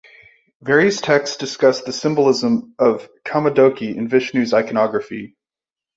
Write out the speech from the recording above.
Various texts discuss the symbolism of Kaumodaki in Vishnu's iconography.